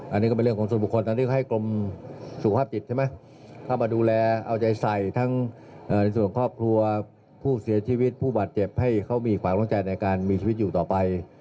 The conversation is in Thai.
อันนี้ก็เป็นเรื่องของส่วนผู้คนตามนึกว่ากลมสุขภาพจิตเขามาดูแลเอาใจใส่ทั้งประเศษส่วนครอบครัวผู้เสียชีวิตผู้หวัดเจ็บให้เขามีขวาคล้องใจในการมีชีวิตอยู่ต่อไป